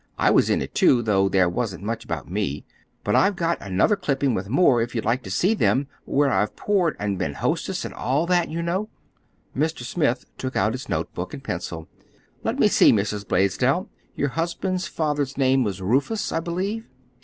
I was in it, too, though there wasn't much about me. But I've got other clippings with more, if you'd like to see them—where I've poured, and been hostess, and all that, you know." Mr. Smith took out his notebook and pencil. "Let me see, Mrs. Blaisdell, your husband's father's name was Rufus, I believe.